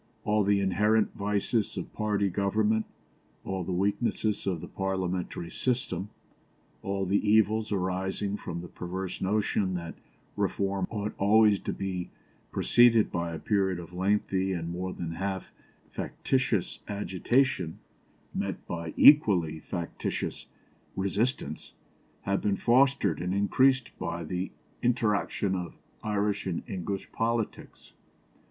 All the inherent vices of party government, all the weaknesses of the parliamentary system, all the evils arising from the perverse notion that reform ought always to be preceded by a period of lengthy and more than half factitious agitation met by equally factitious resistance, have been fostered and increased by the interaction of Irish and English politics.